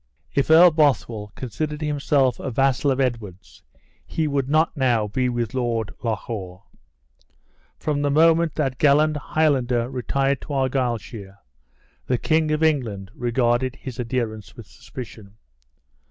"If Earl Bothwell considered himself a vassal of Edward's he would not now be with Lord Loch awe. From the moment that gallant Highlander retired to Argyleshire, the King of England regarded his adherents with suspicion.